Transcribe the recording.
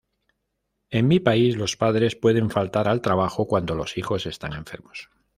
En mi país, los padres pueden faltar al trabajo cuando los hijos están enfermos.